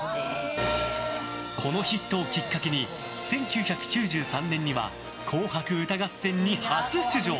このヒットをきっかけに１９９３年には「紅白歌合戦」に初出場。